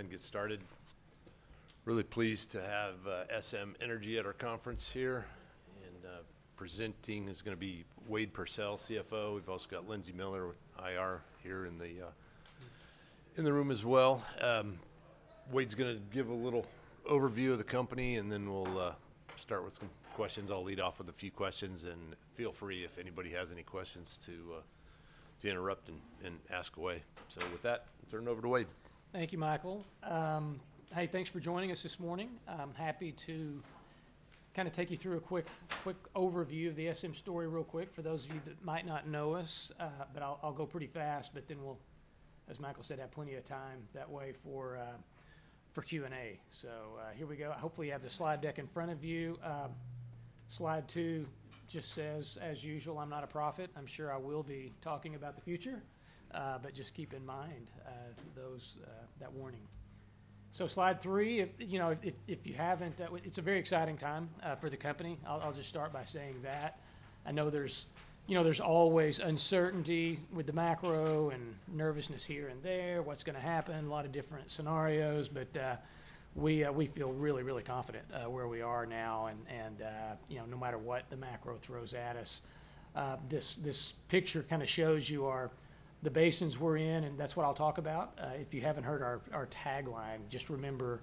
Go ahead and get started. Really pleased to have SM Energy at our conference here. And presenting is going to be Wade Pursell, CFO. We've also got Lindsay Miller, IR, here in the room as well. Wade's going to give a little overview of the company, and then we'll start with some questions. I'll lead off with a few questions, and feel free if anybody has any questions to interrupt and ask away. So with that, I'll turn it over to Wade. Thank you, Michael. Hey, thanks for joining us this morning. I'm happy to kind of take you through a quick overview of the SM story real quick for those of you that might not know us. But I'll go pretty fast, but then we'll, as Michael said, have plenty of time that way for Q&A. So here we go. Hopefully, you have the slide deck in front of you. Slide two just says, as usual, I'm not a prophet. I'm sure I will be talking about the future. But just keep in mind those that warning. So slide three, if you haven't, it's a very exciting time for the company. I'll just start by saying that. I know there's you know there's always uncertainty with the macro and nervousness here and there, what's gonna happen, a lot of different scenarios. But we feel really, really confident where we are now, and you know no matter what the macro throws at us. This this picture kind of shows you the basins we're in, and that's what I'll talk about. If you haven't heard our tagline, just remember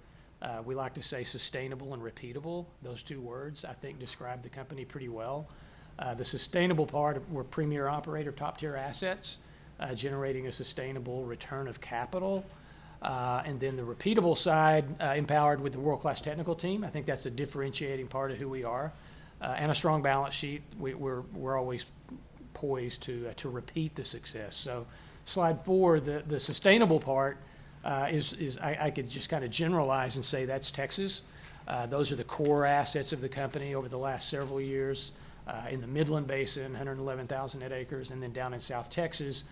we like to say sustainable and repeatable. Those two words, I think, describe the company pretty well. The sustainable part, we're a premier operator of top-tier assets, generating a sustainable return of capital. And then the repeatable side, empowered with a world-class technical team, I think that's a differentiating part of who we are. And a strong balance sheet. We're always poised to repeat the success. So slide four, the sustainable part, is I could just kind of generalize and say that's Texas. Those are the core assets of the company over the last several years in the Midland Basin, 111,000 net acres, and then down in South Texas,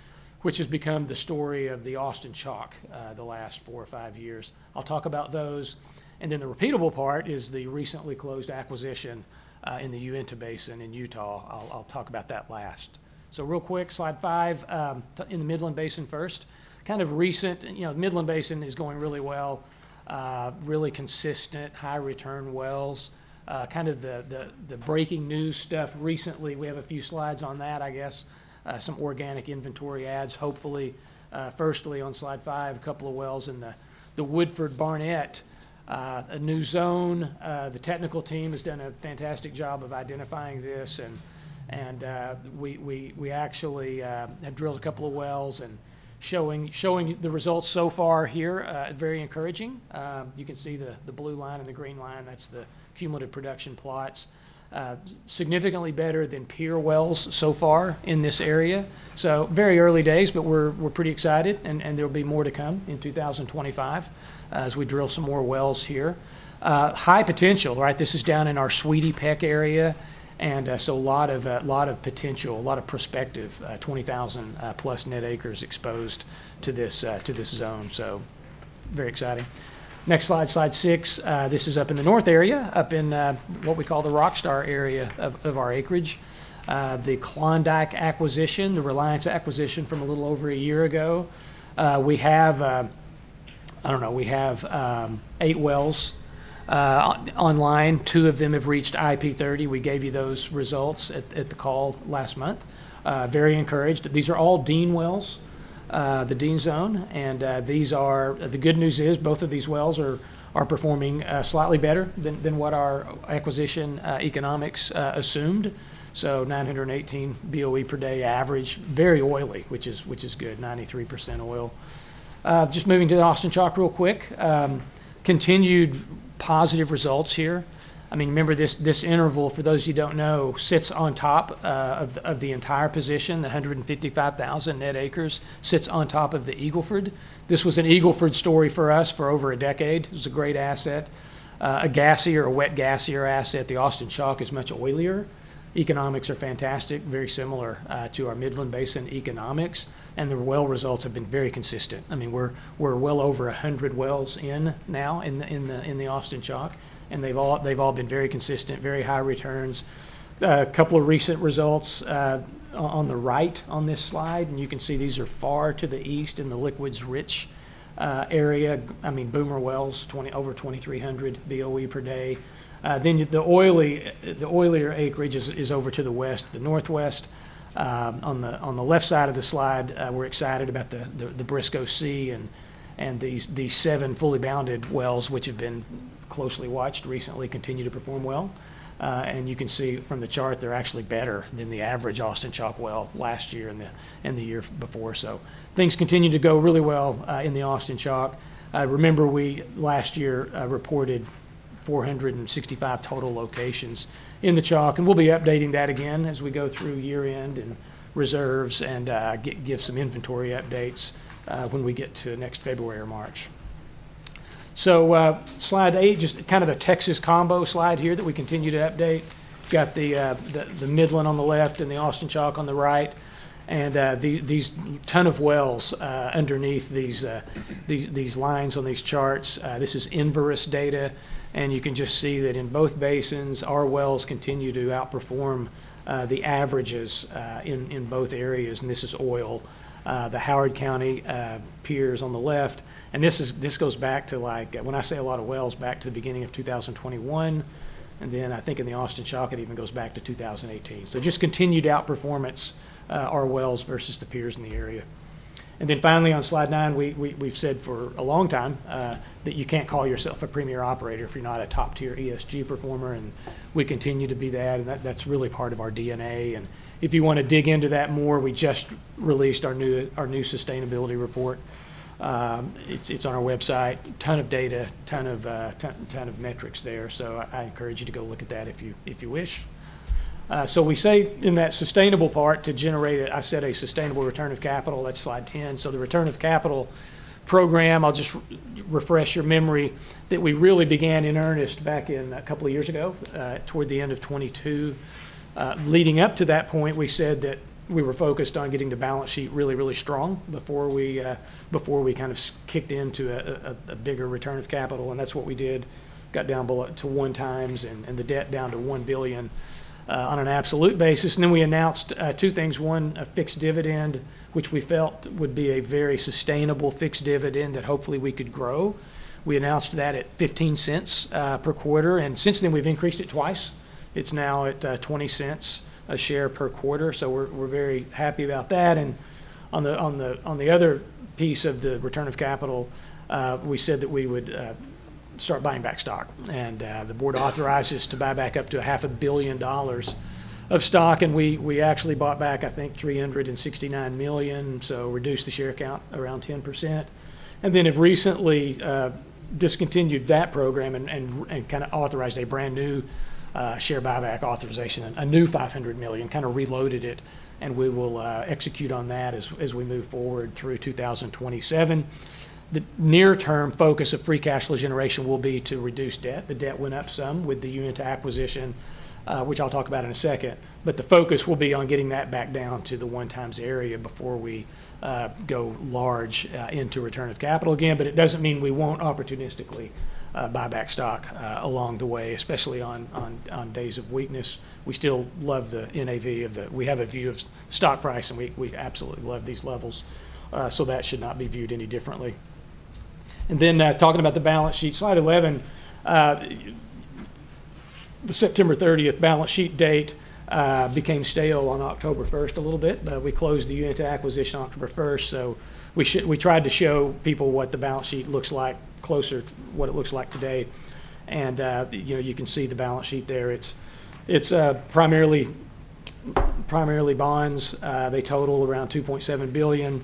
which has become the story of the Austin Chalk the last four or five years. I'll talk about those. And then the repeatable part is the recently closed acquisition in the Uinta Basin in Utah. I'll talk about that last. So real quick, slide five, in the Midland Basin first. Kind of recent, you know Midland Basin is going really well, really consistent, high-return wells. Kind of the the the breaking news stuff recently, we have a few slides on that, I guess. Some organic inventory adds, hopefully. Firstly, on slide five, a couple of wells in the Woodford Barnett, a new zone. The technical team has done a fantastic job of identifying this. And this and we actually have drilled a couple of wells and showing showing the results so far here, very encouraging. You can see the blue line and the green line, that's the cumulative production plots. Significantly better than peer wells so far in this area. So very early days, but we're pretty excited, and there'll be more to come in 2025 as we drill some more wells here. High potential, right? This is down in our Sweetie Peck area, and so lot of lot of potential, a lot of perspective, 20,000-plus net acres exposed to this to this zone. So very exciting. Next slide, slide six. This is up in the north area, up in what we call the Rockstar area of our acreage. The Klondike acquisition, the Reliance acquisition from a little over a year ago. We have, I don't know, we have eight wells online. Two of them have reached IP30. We gave you those results at the call last month. Very encouraged. These are all Dean wells, the Dean zone, and these are the good news is both of these wells are performing slightly better than what our acquisition economics assumed, so 918 BOE per day average, very oily, which is good, 93% oil. Just moving to the Austin Chalk real quick. Continued positive results here. I mean, remember this interval, for those of you who don't know, sits on top of the entire position, the 155,000 net acres sits on top of the Eagle Ford. This was an Eagle Ford story for us for over a decade. It was a great asset. A gassier, a wet gassier asset. The Austin Chalk is much oilier. Economics are fantastic, very similar to our Midland Basin economics, and the well results have been very consistent. I mean, we're we're well over 100 wells in now in the Austin Chalk. And they've all been very consistent, very high returns. A couple of recent results on the right on this slide, and you can see these are far to the east in the liquids-rich area. I mean, Boomer wells, over 2,300 BOE per day. Then the oilier oilier acreage is over to the west, the northwest. On the on the left side of the slide, we're excited about the Briscoe C and these these seven fully bounded wells, which have been closely watched recently, continue to perform well. And you can see from the chart they're actually better than the average Austin Chalk well last year and the year before. So things continue to go really well in the Austin Chalk. I remember we last year reported 465 total locations in the Chalk. We'll be updating that again as we go through year-end and reserves and give some inventory updates when we get to next February or March. So slide eight, just kind of a Texas combo slide here that we continue to update. We've got the Midland on the left and the Austin Chalk on the right. And and these ton of wells underneath these these lines on these charts, this is Enverus data. And you can just see that in both basins, our wells continue to outperform the averages in both areas. And this is oil. The Howard County peers on the left. And this goes back to, when I say a lot of wells, back to the beginning of 2021. And then I think in the Austin Chalk, it even goes back to 2018. So just continued outperformance, our wells versus the peers in the area. And then finally on slide nine, we've said for a long time that you can't call yourself a premier operator if you're not a top-tier ESG performer. And we continue to be that. And that's really part of our DNA. And if you want to dig into that more, we just released our new sustainability report. It's it's on our website. Ton of data, ton of metrics there. So I encourage you to go look at that if you wish. So we say in that sustainable part to generate, I said a sustainable return of capital, that's slide 10. So the return of capital program, I'll just refresh your memory that we really began in earnest back a couple of years ago toward the end of 2022. Leading up to that point, we said that we were focused on getting the balance sheet really, really strong before we before we kind of kicked into a bigger return of capital. And that's what we did. Got down below to one times and the debt down to $1 billion on an absolute basis. And then we announced two things. One, a fixed dividend, which we felt would be a very sustainable fixed dividend that hopefully we could grow. We announced that at $0.15 per quarter. And since then, we've increased it twice. It's now at $0.20 a share per quarter. So we're very happy about that. And on the other piece of the return of capital, we said that we would start buying back stock. And the board authorized us to buy back up to $500 million of stock. And we we actually bought back, I think, $369 million, so reduced the share count around 10%. And then have recently discontinued that program and and kind of authorized a brand new share buyback authorization, a new $500 million, kind of reloaded it. And we will execute on that as we move forward through 2027. The near-term focus of free cash flow generation will be to reduce debt. The debt went up some with the Uinta acquisition, which I'll talk about in a second. But the focus will be on getting that back down to the one times area before we go large into return of capital again. But it doesn't mean we won't opportunistically buy back stock along the way, especially on days of weakness. We still love the NAV of the we have a view of stock price, and we absolutely love these levels. So that should not be viewed any differently. And then talking about the balance sheet, slide 11, the September 30th balance sheet date became stale on October 1st a little bit. We closed the Uinta acquisition on October 1st. So we tried to show people what the balance sheet looks like closer to what it looks like today. And you can see the balance sheet there. It's primarily bonds. They total around $2.7 billion,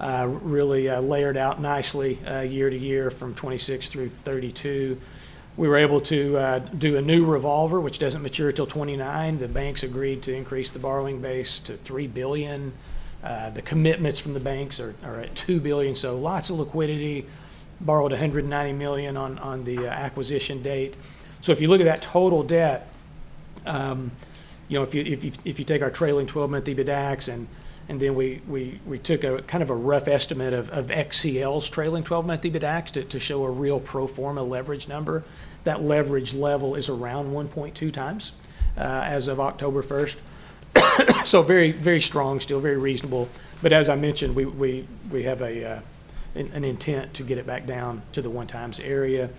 really layered out nicely year to year from 2026 through 2032. We were able to do a new revolver, which doesn't mature until 2029. The banks agreed to increase the borrowing base to $3 billion. The commitments from the banks are at $2 billion. So lots of liquidity. Borrowed $190 million on on the acquisition date. So if you look at that total debt, you know if you take our trailing 12-month EBITDAX, and then we we we took kind of a rough estimate of XCL's trailing 12-month EBITDAX to show a real pro forma leverage number, that leverage level is around 1.2 times as of October 1st. So very very strong still, very reasonable. But as I mentioned, we have an intent to get it back down to the one times area.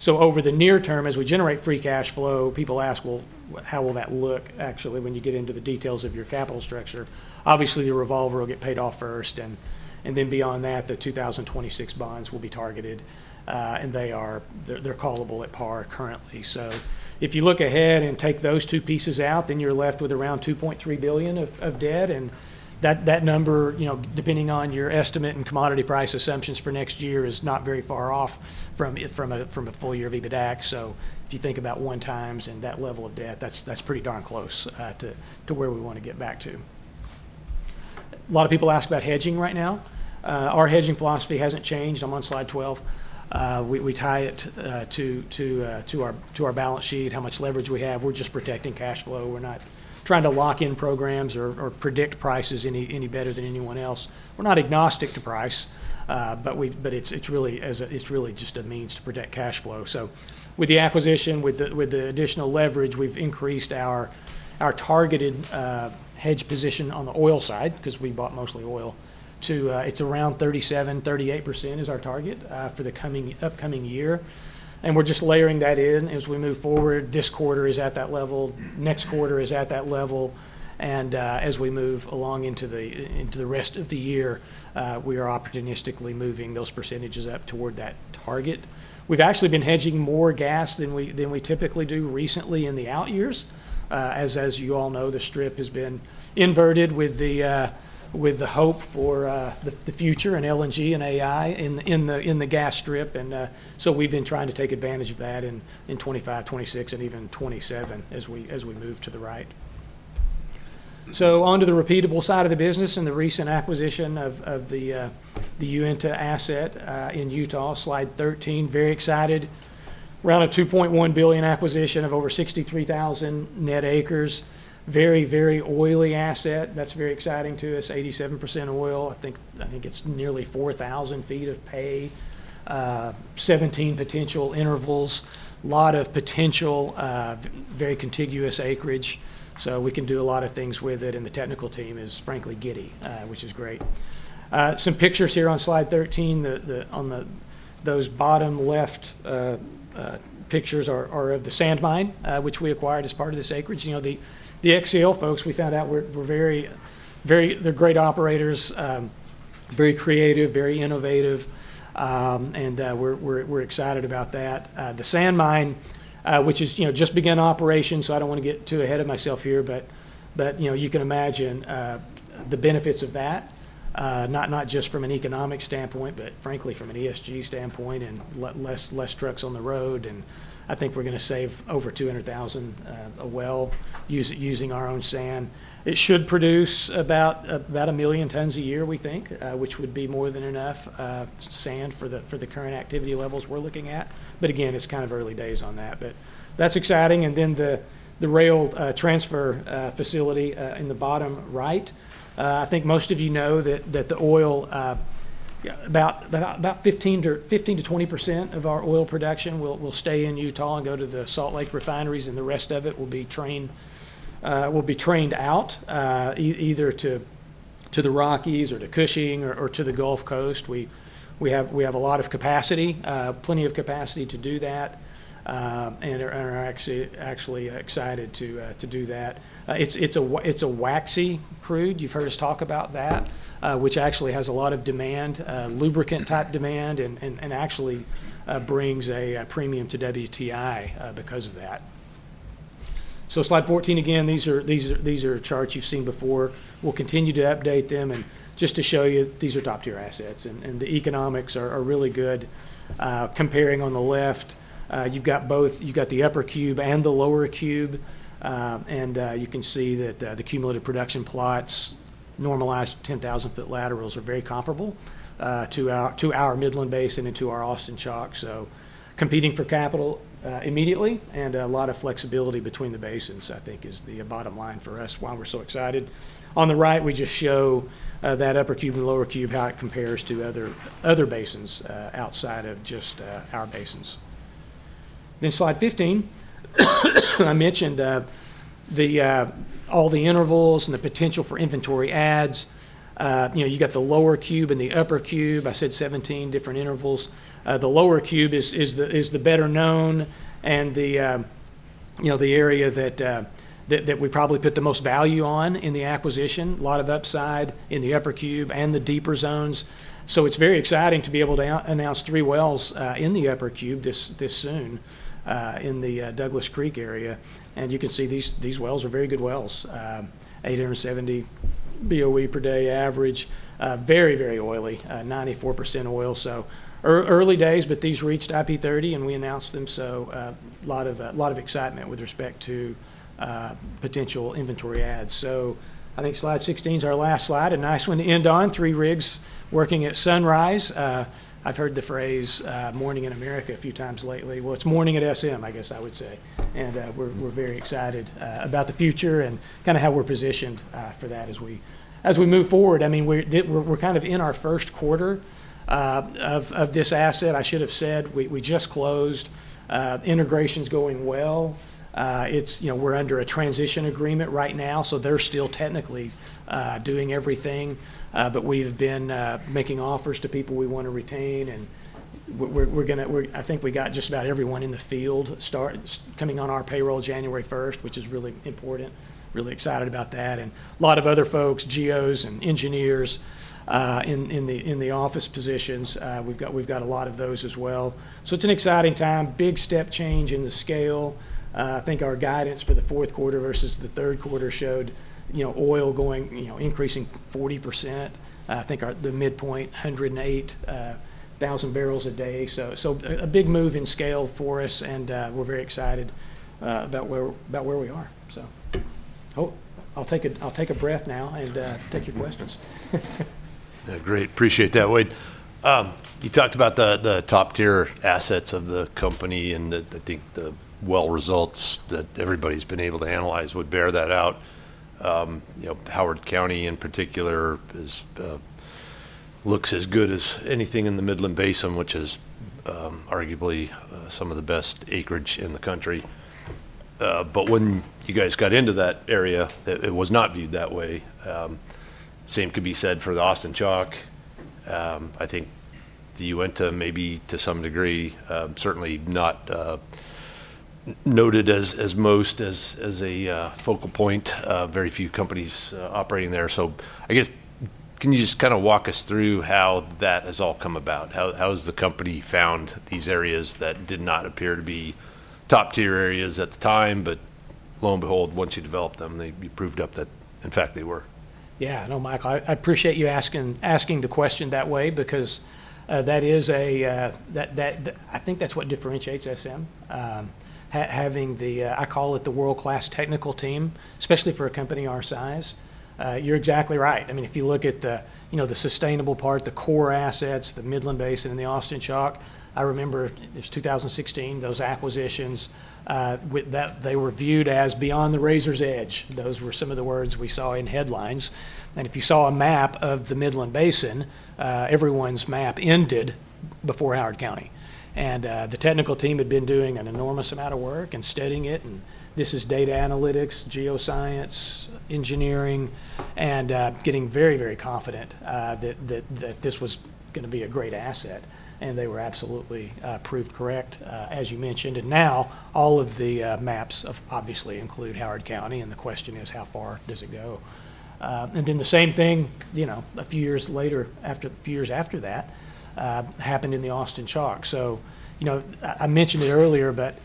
So over the near term, as we generate free cash flow, people ask, well, how will that look actually when you get into the details of your capital structure? Obviously, the revolver will get paid off first. And and then beyond that, the 2026 bonds will be targeted, and they're callable at par currently. So if you look ahead and take those two pieces out, then you're left with around 2.3 billion of debt. And that number, you know depending on your estimate and commodity price assumptions for next year, is not very far off from a full year of EBITDAX. So if you think about one times and that level of debt, that's pretty darn close to where we want to get back to. A lot of people ask about hedging right now. Our hedging philosophy hasn't changed. I'm on slide 12. We tie it to to to our balance sheet, how much leverage we have. We're just protecting cash flow. We're not trying to lock in programs or predict prices any better than anyone else. We're not agnostic to price, but it's really just a means to protect cash flow. So with the acquisition, with the additional leverage, we've increased our targeted hedge position on the oil side because we bought mostly oil, too. It's around 37%-38% is our target for the upcoming year. And we're just layering that in as we move forward. This quarter is at that level. Next quarter is at that level. And as we move along into the into the rest of the year, we are opportunistically moving those percentages up toward that target. We've actually been hedging more gas than we typically do recently in the out years. As as you all know, the strip has been inverted with the with the hope for the future and LNG and AI in in in the gas strip. And so we've been trying to take advantage of that in 2025, 2026, and even 2027 as we as we move to the right. So onto the repeatable side of the business and the recent acquisition of of the Uinta asset in Utah, slide 13, very excited. Around a $2.1 billion acquisition of over 63,000 net acres. Very, very oily asset. That's very exciting to us. 87% oil. I think it's nearly 4,000 feet of pay, 17 potential intervals, lot of potential, very contiguous acreage. So we can do a lot of things with it. And the technical team is frankly giddy, which is great. Some pictures here on slide 13. On the those bottom left pictures are of the sand mine, which we acquired as part of this acreage. The XCL folks, we found out were very. They're great operators, very creative, very innovative. And we're we're excited about that. The sand mine, which has you know just begun operations, so I don't want to get too ahead of myself here, but but you can imagine the benefits of that, not just from an economic standpoint, but frankly from an ESG standpoint and less less trucks on the road. And I think we're going to save over 200,000 a well using using our own sand. It should produce about a million tons a year, we think, which would be more than enough sand for the current activity levels we're looking at. But again, it's kind of early days on that. But that's exciting. And then the the rail transfer facility in the bottom right. I think most of you know that the oil, you know about 15%-20% of our oil production will stay in Utah and go to the Salt Lake refineries, and the rest of it will be trucked will be trucked out either to to the Rockies or to Cushing or to the Gulf Coast. We we have a lot of capacity, plenty of capacity to do that. And and we're actually actually excited to do that. It's a waxy crude. You've heard us talk about that, which actually has a lot of demand, lubricant-type demand, and and actually brings a premium to WTI because of that. So slide 14 again, these are these are these are charts you've seen before. We'll continue to update them. And just to show you, these are top-tier assets. And and the economics are really good. Comparing on the left, you've got both you we've got the Upper Cube and the Lower Cube. And you can see that the cumulative production plots, normalized 10,000-foot laterals are very comparable to our to our Midland Basin and to our Austin Chalk. So competing for capital immediately and a lot of flexibility between the basins, I think, is the bottom line for us why we're so excited. On the right, we just show that Upper Cube and Lower Cube, how it compares to other other basins outside of just our basins. Then slide 15, I mentioned the all the intervals and the potential for inventory adds. You know you got the Lower Cube and the Upper Cube. I said 17 different intervals. The Lower Cube is the is the better known and the area you know the area that we probably put the most value on in the acquisition, a lot of upside in the Upper Cube and the deeper zones. So it's very exciting to be able to announce three wells in the Upper Cube this this soon in the Douglas Creek area. And you can see these wells are very good wells, 870 BOE per day average, very, very oily, 94% oil. So early days, but these reached IP30 and we announced them. So a lot of lot of excitement with respect to potential inventory adds. So I think slide 16 is our last slide, a nice one to end on, three rigs working at sunrise. I've heard the phrase morning in America a few times lately. Well, it's morning at SM, I guess I would say. And we're we're very excited about the future and kind of how we're positioned for that as we as we move forward. I mean, we're kind of in our first quarter of of this asset. I should have said we just closed. Integration's going well. It's we're under a transition agreement right now. So they're still technically doing everything. But we've been making offers to people we want to retain. And we're we're gonna I think we got just about everyone in the field coming on our payroll January 1st, which is really important. Really excited about that. And a lot of other folks, Geos and engineers in in the office positions, we've we've got a lot of those as well. So it's an exciting time, big step change in the scale. I think our guidance for the fourth quarter versus the third quarter showed you know oil increasing 40%. I think the midpoint, 108,000 barrels a day. So so, a big move in scale for us. And we're very excited about where about where we are. So I'll take a breath now and take your questions. Great. Appreciate that, Wade. You talked about the the top-tier assets of the company, and I think the well results that everybody's been able to analyze would bear that out. You know Howard County in particular looks as good as anything in the Midland Basin, which is arguably some of the best acreage in the country. But when you guys got into that area, it was not viewed that way. Same could be said for the Austin Chalk. I think the Uinta, maybe to some degree, certainly not noted as much as a focal point, very few companies operating there. So I guess, can you just kind of walk us through how that has all come about? How how has the company found these areas that did not appear to be top-tier areas at the time, but lo and behold, once you developed them, you proved up that, in fact, they were? Yeah. No, Michael, I appreciate you asking the question that way because that is a I think that's what differentiates SM. Having the, I call it the world-class technical team, especially for a company our size. You're exactly right. I mean, if you look at you know the sustainable part, the core assets, the Midland Basin and the Austin Chalk, I remember it was 2016, those acquisitions, with that they were viewed as beyond the razor's edge. Those were some of the words we saw in headlines. And if you saw a map of the Midland Basin, everyone's map ended before Howard County. And the technical team had been doing an enormous amount of work and studying it. And this is data analytics, geoscience, engineering, and getting very, very confident that that that this was going to be a great asset. And they were absolutely proved correct, as you mentioned. And now all of the maps obviously include Howard County. And the question is, how far does it go? And then the same thing you know a few years later, a few years after that, happened in the Austin Chalk. So you know I mentioned it earlier, but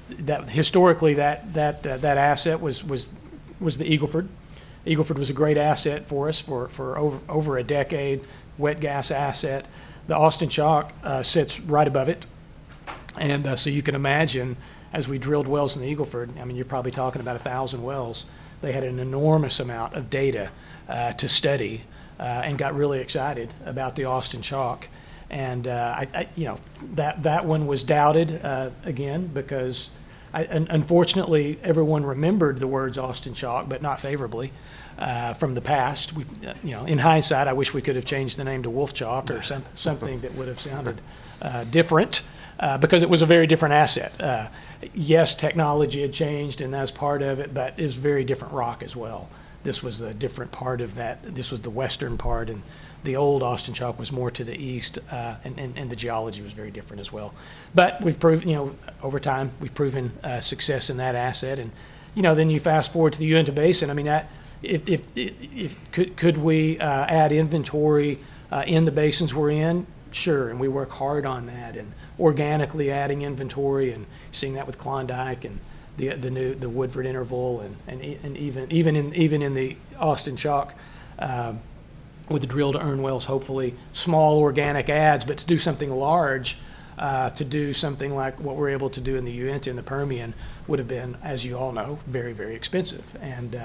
historically, that that asset was was the Eagle Ford. Eagle Ford was a great asset for us for for over a decade, wet gas asset. The Austin Chalk sits right above it. And so you can imagine, as we drilled wells in the Eagle Ford, I mean, you're probably talking about 1,000 wells. They had an enormous amount of data to study and got really excited about the Austin Chalk. And you know that that one was doubted again because, unfortunately, everyone remembered the words Austin Chalk, but not favorably from the past. In hindsight, I wish we could have changed the name to Wolf chalk or something that would have sounded different because it was a very different asset. Yes, technology had changed and that's part of it, but it was very different rock as well. This was a different part of that. This was the western part. And the old Austin Chalk was more to the east. And and the geology was very different as well. But we've proven over time, we've proven success in that asset. And you know then you fast forward to the Uinta Basin. I mean, if if if could we add inventory in the basins we're in? Sure. And we work hard on that and organically adding inventory and seeing that with Klondike and the Woodford interval and even in the even in the Austin Chalk with the drill to earn wells, hopefully, small organic adds, but to do something large, to do something like what we're able to do in the Uinta and the Permian would have been, as you all know, very, very expensive. And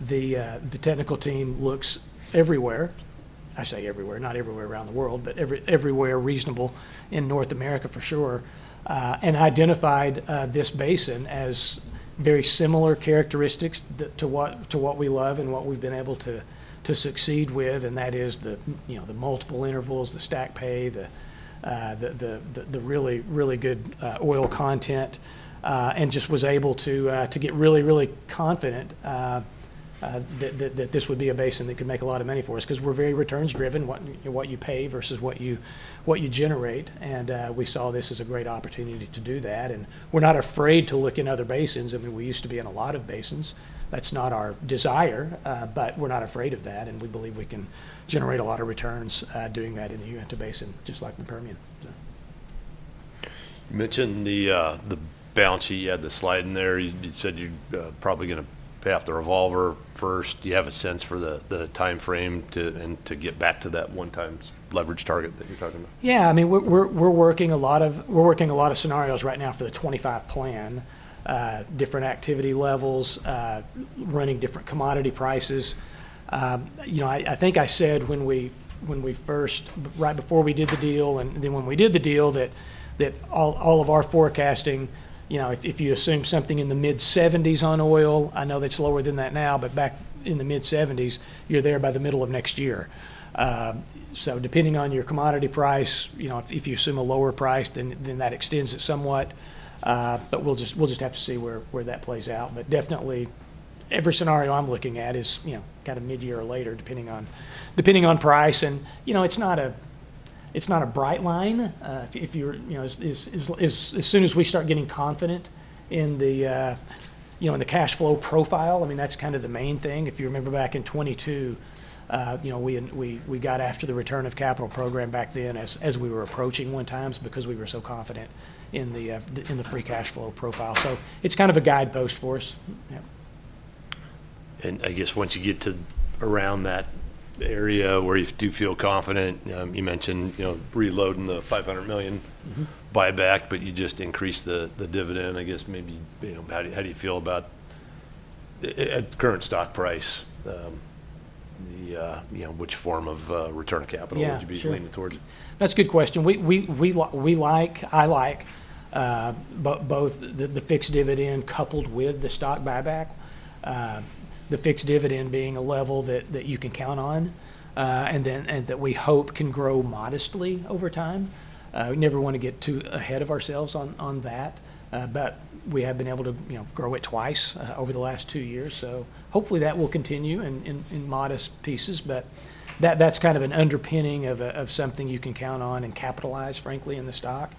the technical team looks everywhere. I say everywhere, not everywhere around the world, but everywhere reasonable in North America for sure, and identified this basin as very similar characteristics to what we love and what we've been able to succeed with. And that is the you know the multiple intervals, the stack pay, the the the really, really good oil content, and just was able to get really, really confident that that this would be a basin that could make a lot of money for us because we're very returns-driven, what you pay versus what you generate. And we saw this as a great opportunity to do that. And we're not afraid to look in other basins. I mean, we used to be in a lot of basins. That's not our desire, but we're not afraid of that. And we believe we can generate a lot of returns doing that in the Uinta Basin, just like the Permian. You mentioned the borrowing base. You had the slide in there. You said you're probably gonna pay off the revolver first. Do you have a sense for for the time frame to get back to that one-time leverage target that you're talking about? Yeah. I mean, we're we're working a lot of scenarios right now for the 2025 plan, different activity levels, running different commodity prices. You know I think I said when we first, right before we did the deal, and then when we did the deal, that that that all of our forecasting, you know if you assume something in the mid-70s on oil, I know that's lower than that now, but back in the mid-70s, you're there by the middle of next year. So depending on your commodity price, you know if you assume a lower price, then that extends it somewhat. But we'll just have to see where that plays out. But definitely, every scenario I'm looking at is you know kind of mid-year or later, depending on depending on price. And you know it's not a it's not a bright line. If you're as soon as we start getting confident in the you know the cash flow profile, I mean, that's kind of the main thing. If you remember back in 2022, you know we we got after the return of capital program back then as we were approaching one time because we were so confident in the in the free cash flow profile. So it's kind of a guidepost for us. And I guess once you get to around that area where you do feel confident, you know you mentioned you know reloading the $500 million buyback, but you just increased the the dividend. I guess maybe how do you feel about at current stock price, the which form of return capital... Yeah would you be leaning towards? That's a good question. We we we like I like both both the fixed dividend coupled with the stock buyback, the fixed dividend being a level that that you can count on and and then we hope can grow modestly over time. Never wanna get too ahead of ourselves on that. But we have been able to grow it twice over the last two years. So hopefully that will continue in modest pieces. But that's kind of an underpinning of something you can count on and capitalize, frankly, in the stock,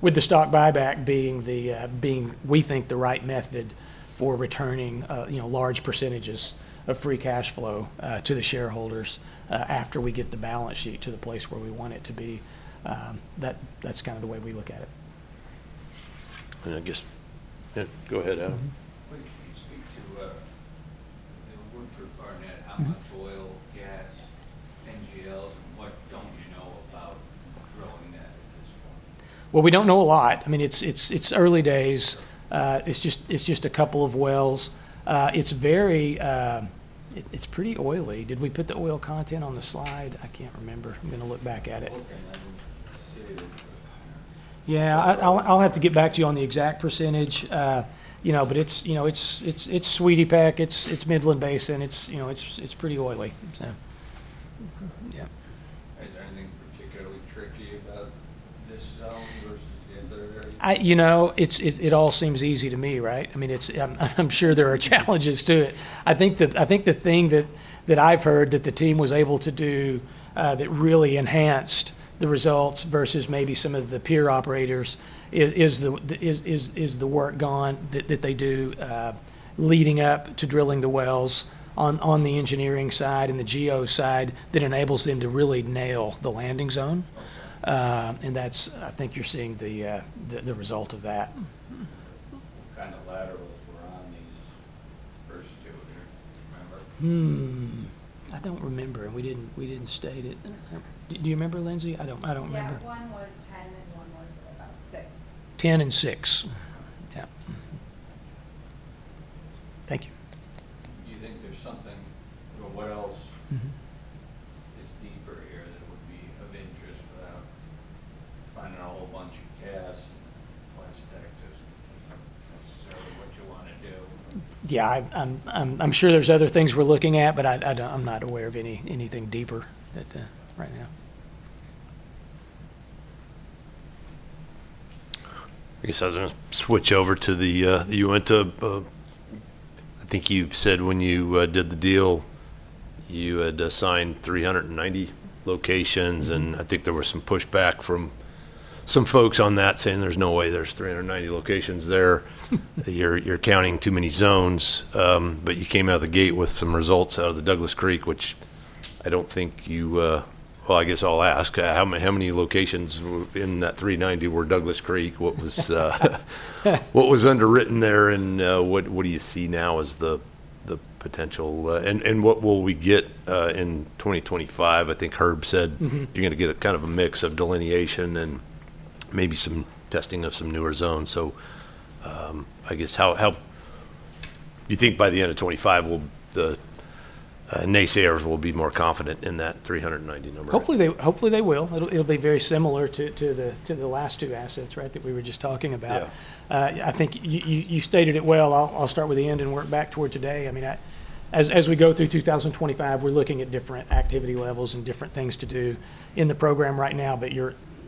with the stock buyback being the, being we think, the right method for returning you know large percentages of free cash flow to the shareholders after we get the balance sheet to the place where we want it to be. That's that's kind of the way we look at it. And I guess go ahead, Adam. Can you speak to you know Woodford Barnett, how much oil, gas, NGLs, and what don't you know about growing that? Well, we don't know a lot. I mean, it's it's it's early days. It's it's just a couple of wells. It's very it's pretty oily. Did we put the oil content on the slide? I can't remember. I'm gonna look back at it. Yeah. Yeah. I'll have to get back to you on the exact percentage. You know but it's you know it's it's Sweetie Peck. It's Midland Basin. And you know it's pretty oily. Yeah. Yeah. Is there anything particularly tricky about this zone versus? You know it all seems easy to me, right? I mean, I'm sure there are challenges to it. I think the I think the thing that I've heard that the team was able to do that really enhanced the results versus maybe some of the peer operators is is is the work that they do leading up to drilling the wells on on the engineering side and the geo side that enables them to really nail the landing zone. And I think that's you're seeing the result of that. And the laterals were on these first two here. I don't remember. We didn't state it. Do you remember, Lindsey? I don't remember. Yeah. One was 10 and one was about six. 10 and six. Yeah. Thank you. Do you think there's something, you know what else is deeper here that would be of interest without finding a whole bunch of gas and NGL access and necessarily what you want to do? Yeah. I'm I'm sure there's other things we're looking at, but I'm not aware of anything deeper right now. Yes I guess, I'll just switch over to the Uinta. I think you said when you did the deal, you had assigned 390 locations. And I think there was some pushback from some folks on that saying there's no way there's 390 locations there. You're counting too many zones. But you came out of the gate with some results out of the Douglas Creek, which I don't think you. Well, I guess I'll ask. How how many locations in that 390 were Douglas Creek? What was what was underwritten there? And and what do you see now as the the potential? And what will we get in 2025? I think Herb said you're going to get kind of a mix of delineation and maybe some testing of some newer zones. So, I guess how do you think by the end of 2025, the naysayers will be more confident in that 390 number? Hopefully hopefully, they will. It'll be very similar to to to the last two assets, right, that we're just talking about. I think you you you stated it well. I'll start with the end and work back towards the day. I mean, as as we go through 2025, we're looking at different activity levels and different things to do in the program right now.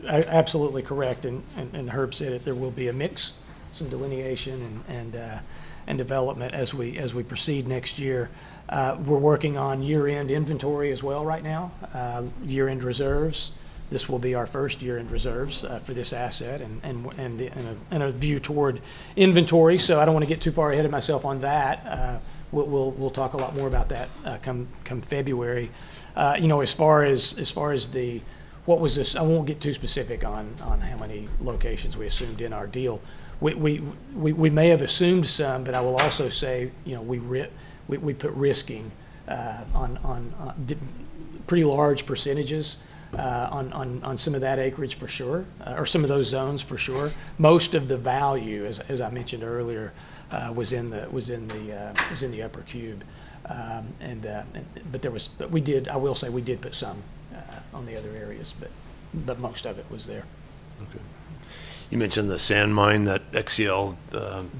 But you're absolutely correct. And and Herb said that there will be a mix, some delineation and development as as we proceed next year. We're working on year-end inventory as well right now, year-end reserves. This will be our first year-end reserves for this asset and and and a view toward inventory. So I don't want to get too far ahead of myself on that. We'll talk a lot more about that come come February. You know as far as as far as the, what was this? I won't get too specific on on how many locations we assumed in our deal. We've we've may have assumed some, but I will also say you know we put risking on on on pretty large percentages on on on some of that acreage for sure, or some of those zones for sure. Most of the value, as as I mentioned earlier, was in the was in the Upper Cube. And but I will say we did put some on the other areas, but most of it was there. Okay. You mentioned the sand mine that XCL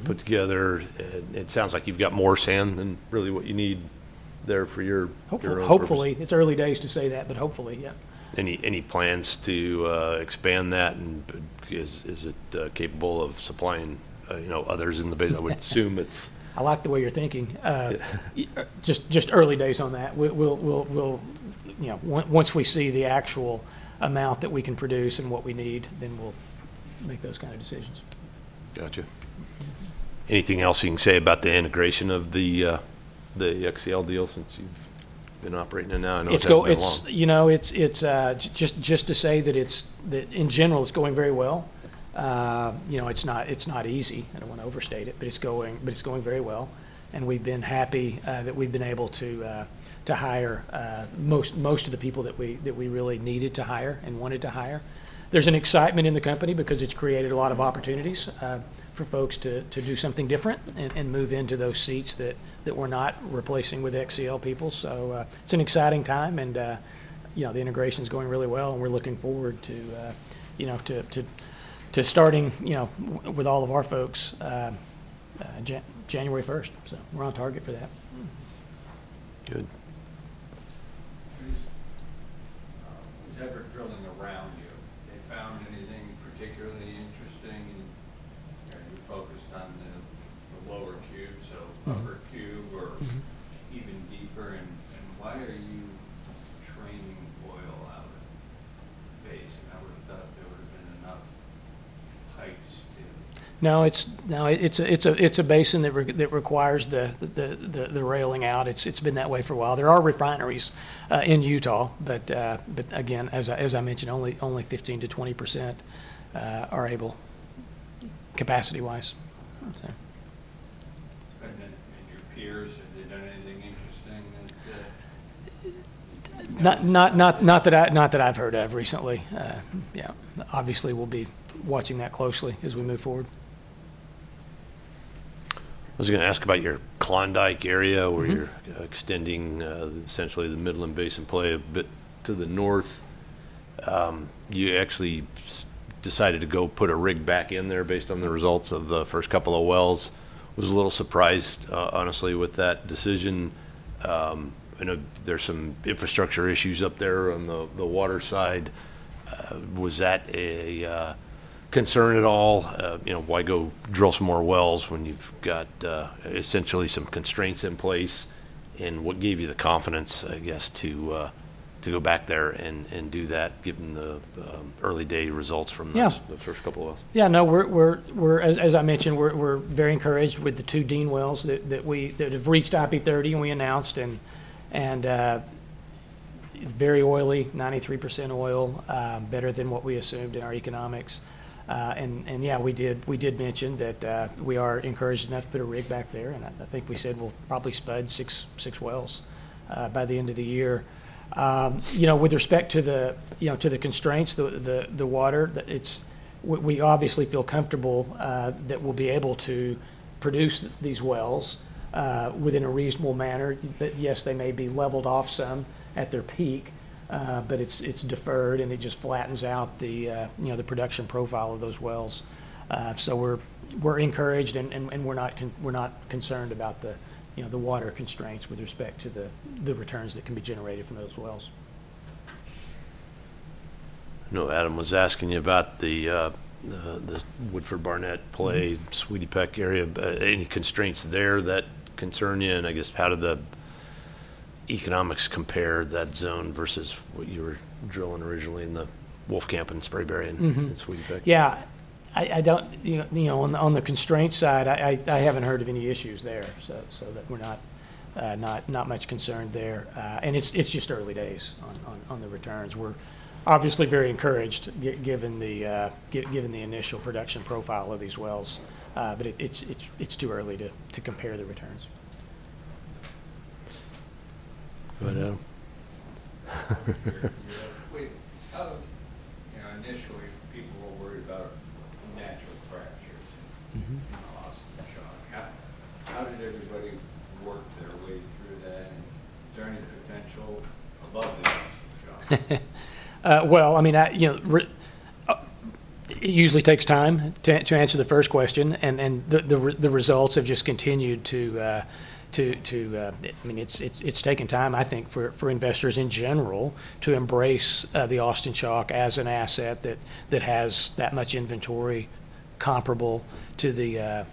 put together. It sounds like you've got more sand than really what you need there for your. Hopefully. It's early days to say that, but hopefully, yeah. Any any plans to expand that? And because is it capable of supplying you know others in the basin? I would assume it's. I like the way you're thinking. Just early days on that. We'll we'll you know once we see the actual amount that we can produce and what we need, then we'll make those kind of decisions. Gotcha. Anything else you can say about the integration of the the XCL deal since you've been operating in now? I know it's been a long. Just to say that in general, it's going very well. It's not it's not easy. I don't want to overstate it, but it's going very well. And we've been happy that we've been able to hire most of the people that we that we really needed to hire and wanted to hire. There's an excitement in the company because it's created a lot of opportunities for folks to to do something different and move into those seats that that we're not replacing with XCL people. So it's an exciting time. And you know the integration is going really well. We're looking forward to you know to to starting you know with all of our folks January 1st. So we're on target for that. Good. As ever, drilling around you, have you found anything particularly interesting? You focused on on the Lower Cube, so Upper Cube or even deeper. And so why are you trucking oil out of the basin? No no, it's it's a basin that requires the the the railing out. It's it's been that way for a while. There are refineries in Utah. But again, as as I mentioned, only only 15%-20% are available capacity-wise. Ok. And your peers, have they done anything interesting that? Not that not that I've heard of recently. Yeah. Obviously, we'll be watching that closely as we move forward. I was gonna ask about your Klondike area where you're extending essentially the Midland Basin play a bit to the north. You actually decided to go put a rig back in there based on the results of the first couple of wells. I was a little surprised, honestly, with that decision. I know there's some infrastructure issues up there on the water side. Was that a concern at all? You know why go drill some more wells when you've got essentially some constraints in place? And what gave you the confidence, I guess, to to go back there and do that given the the early day results from the first couple of wells? Yeah. No, we're we're as I mentioned, we're very encouraged with the two Dean wells that we that we have reached IP 30 we announced and and very oily, 93% oil, better than what we assumed in our economics. And and yeah, we did we did mention that we are encouraged enough to rig back there. And I think we said we'll probably spud six six wells by the end of the year. You know with respect to the you know constraints, the the water, that it's we are obviously feel comfortable that we'll be able to produce these wells within a reasonable manner. Yes, they may be leveled off some at their peak, but it's deferred and it just flattens out the you know the production profile of those wells. So so we're encouraged and and we're not we're not concerned about the you know the water constraints with respect to the returns that can be generated from those wells. I know Adam was asking you about the the Woodford Barnett play Sweetie Peck area. But any constraints there that concern you? And I guess how do the economics compare that zone versus what you were drilling originally in the Wolfcamp and Spraberry and Sweetie Peck? Yeah. On the constraint side, I haven't heard of any issues there. So we're not not much concerned there. And it's it's just early days on the returns. We're obviously very encouraged given the initial production profile of these wells. It's it's too early to compare the returns. Wait. You know Initially, people were worried about the natural fractures and loss of the zone. How did everybody work their way through that? Is there any potential above the Austin Chalk? Well I mean you know, it usually takes time to answer the first question. And then the results have just continued to to to. I mean, it's it's taken time, I think, for for investors in general to embrace the Austin Chalk as an asset that that has that much inventory comparable to the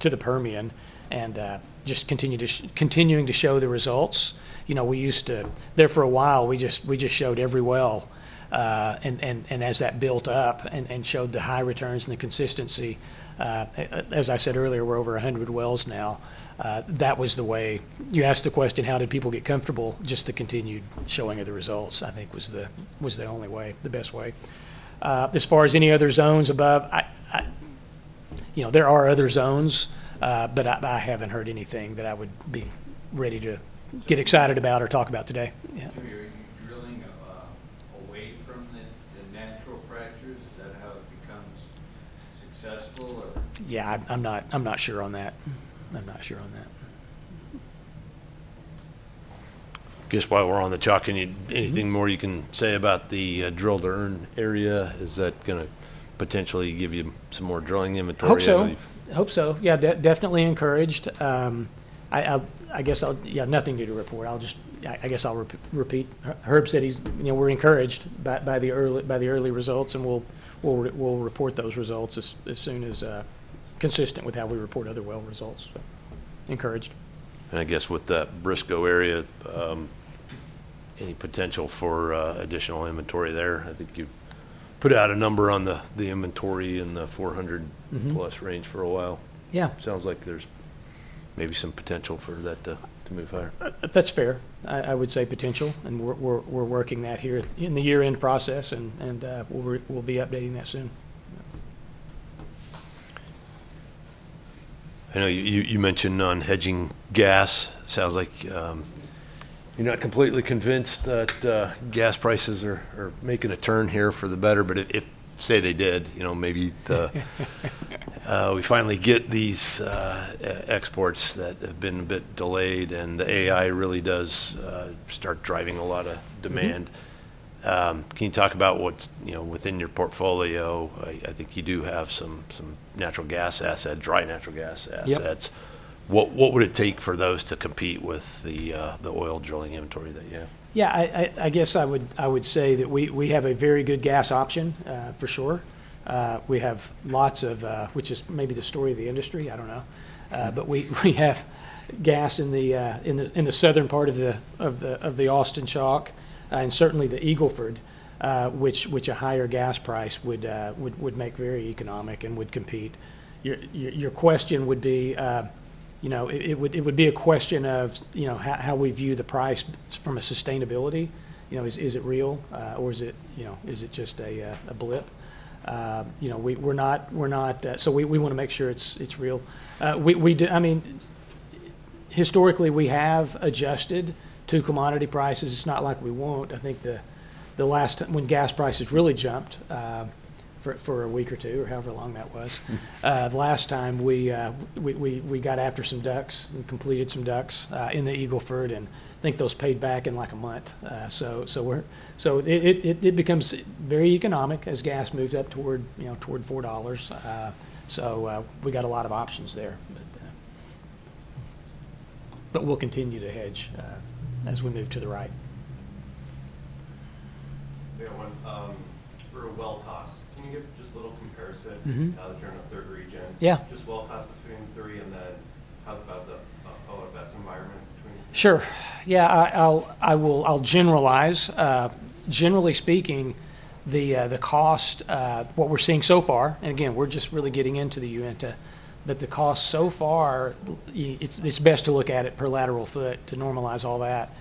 to the Permian and just continuing to show the results. You know we're used to. There for a while, we just we just showed every well. And as as that built up and showed the high returns and the consistency, as I said earlier, we're over 100 wells now. That was the way you asked the question, how did people get comfortable? Just the continued showing of the results, I think, was the was the only way, the best way. As far as any other zones above, I I there are other zones, but I haven't heard anything that I would be ready to get excited about or talk about today. Yeah. Are you drilling away from the natural fractures? Is that how it becomes successful? Yeah. I'm not I'm not sure on that. I'm not sure on that. Guess while we're on the chalk, anything more you can say about the drilled-earn area? Is that gonna potentially give you some more drilling inventory? I hope so. Yeah yeah. Definitely encouraged. I guess I'll, yeah, nothing new to report. I guess I'll repeat. Herb said we're encouraged by the by the early results, and we'll we'll report those results as soon as consistent with how we report other well results. Encouraged. And I guess with that Briscoe area, any potential for additional inventory there? I think you put out a number on the inventory in the 400-plus range for a while. Yeah. Sounds like there's maybe some potential for that to move higher. That's fair. I would say potential. And we're we're we're working that here in the year-end process, and and we'll be updating that soon. I know you mentioned on hedging gas. Sounds like you're not completely convinced that gas prices are making a turn here for the better. But if, say, they did, you know maybe the we finally get these exports that have been a bit delayed, and the AI really does start driving a lot of demand. Can you talk about what's you know within your portfolio? I think you do have some some natural gas assets, dry natural gas assets. What what would it take for those to compete with the oil drilling inventory that you have? Yeah. I I I guess I would I would say that we have a very good gas option for sure. We have lots of, which is maybe the story of the industry. I don't know, but we have gas in the southern part of the of the Austin Chalk and certainly the Eagle Ford, which a higher gas price would make very economic and would compete. Your your question would be. You know it would be it would be a question of you know how we view the price from a sustainability. You know is it real, or you know is it just a blip? You know we're not, we're not so we want to make sure it's real. We we I mean, historically, we have adjusted to commodity prices. It's not like we won't. I think the last time when gas prices really jumped for a week or two or however long that was, the last time we we we got after some DUCs and completed some DUCs in the Eagle Ford, and I think those paid back in like a month. So so it it becomes very economic as gas moves up toward you know $4. So we've got lot of options there. But we'll continue to hedge as we move to the right. No for a well cost. Can you give just a little comparison now that you're in a third region? Yeah, sure. Yeah. I'll generalize. Generally speaking, the cost, what we're seeing so far, and again, we're just really getting into the Uinta, but the cost so far, it's best to look at it per lateral foot to normalize all that,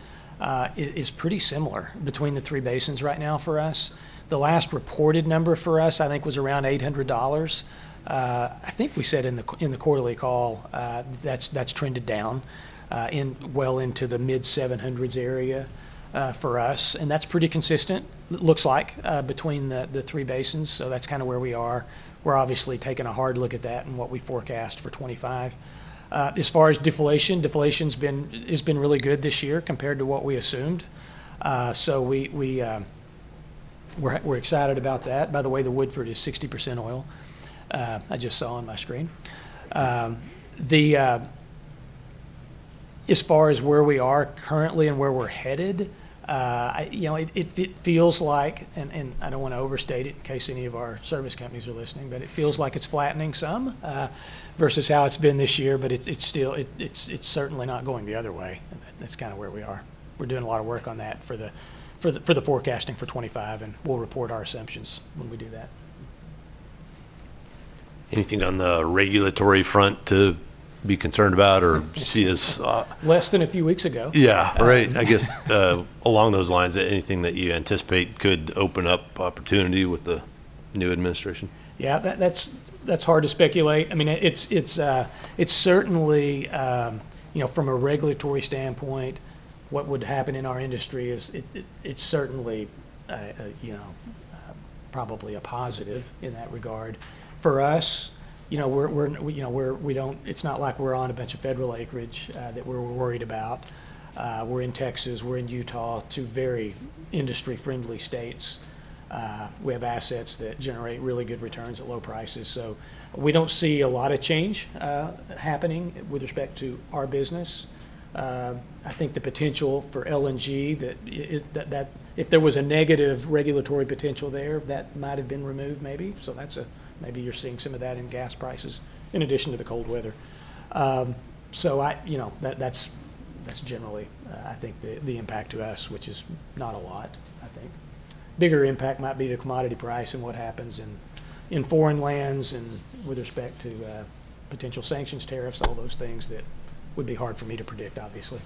is is pretty similar between the three basins right now for us. The last reported number for us, I think, was around $800. I think we said in the quarterly call that's that's trended down well into the mid-700s area for us, and that's pretty consistent, looks like, between the the three basins, so that's kind of where we are. We're obviously taking a hard look at that and what we forecast for 2025. As far as deflation, deflation has been really good this year compared to what we assumed, so we we're excited about that. By the way, the Woodford is 60% oil. I just saw on my screen. The, as far as where we are currently and where we're headed, you know it it feels like and I don't want to overstate it in case any of our service companies are listening but it feels like it's flattening some versus how it's been this year. But it's it's it's certainly not going the other way. That's kind of where we are. We're doing a lot of work on that for for the forecasting for 2025, and we'll report our assumptions when we do that. Anything on the regulatory front to be concerned about or see as? Less than a few weeks ago. Yeah. Alright. I guess along those lines, anything that you anticipate could open up opportunity with the new administration? Yeah. That's that's hard to speculate. I mean, it's it's certainly you know from a regulatory standpoint, what would happen in our industry is it's it's certainly you know probably a positive in that regard. For us, you know we're we're we don't it's not like we're on a bunch of federal acreage that we're worried about. We're in Texas. We're in Utah, two very industry-friendly states. We have assets that generate really good returns at low prices, so we don't see a lot of change happening with respect to our business. I think the potential for LNG, that if there was a negative regulatory potential there, that might have been removed maybe, so that's a so maybe you're seeing some of that in gas prices in addition to the cold weather, so you know that's that's generally, I think, the impact to us, which is not a lot, I think. Bigger impact might be the commodity price and what happens in foreign lands and with respect to potential sanctions, tariffs, all those things that would be hard for me to predict, obviously.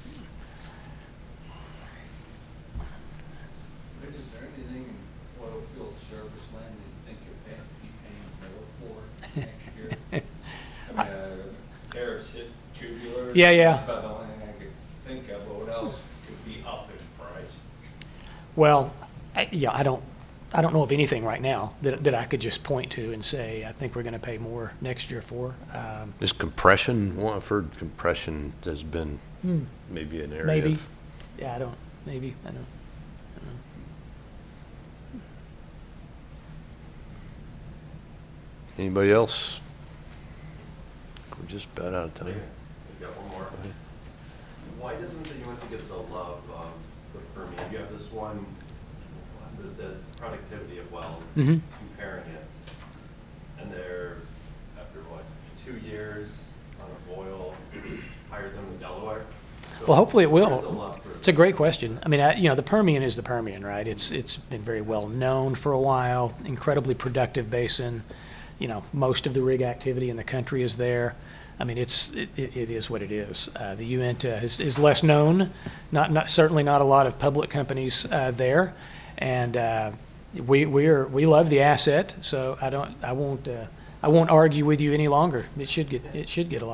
Is there anything in oil field service land that you think you'll be paying more for next year? Tariffs hit tubulars. Yeah. Yeah. I could think of. What else? Well, yeah, I don't know of anything right now that I could just point to and say, "I think we're going to pay more next year for." Just compression. I've heard compression has been maybe an area. Maybe. Yeah, I don't. Maybe. I don't, I don't. Anybody else? We're just about out of time. We've got one more. Why doesn't the Uinta get the love of the Permian? You have this one, but there's the productivity of wells and comparing it. And they're, after what, two years on an oil? Well, hopefully, it will. It's a great question. I mean, the Permian is the Permian, right? It's been very well known for a while, incredibly productive basin. You know most of the rig activity in the country is there. I mean, it is what it is. The Uinta is less known, not certainly not a lot of public companies there. And we we love the asset. So I don't I won't argue with you any longer. It should get a lot of.